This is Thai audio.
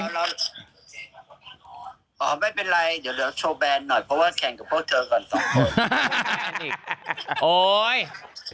เราไม่เป็นไรเดี๋ยวโชว์แบนหน่อยเพราะว่าแข่งกับพวกเธอก่อนสองคน